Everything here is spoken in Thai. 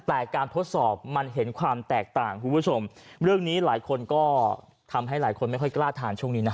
แต่การทดสอบมันเห็นความแตกต่างคุณผู้ชมเรื่องนี้หลายคนก็ทำให้หลายคนไม่ค่อยกล้าทานช่วงนี้นะ